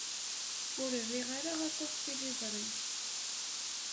Ur riɣ ara aṭas tiliẓri.